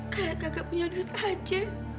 kayak kakak punya duit aja